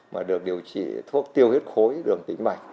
mà được điều trị thuốc tiêu huyết khối đường tính mạch